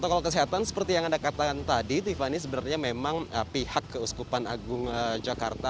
protokol kesehatan seperti yang anda katakan tadi tiffany sebenarnya memang pihak keuskupan agung jakarta